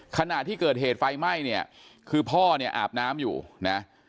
ขณะที่เกิดเหตุไฟไหม้เนี่ยคือพ่อเนี่ยอาบน้ำอยู่นะ